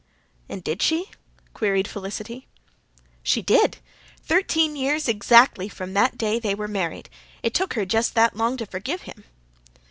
"And did she?" queried Felicity. "She did. Thirteen years exactly from that day they were married. It took her just that long to forgive him."